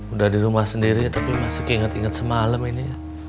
udah di rumah sendiri tapi masih keringat ingat semalam ini